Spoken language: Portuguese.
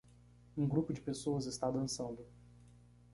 Um grupo de pessoas está dançando.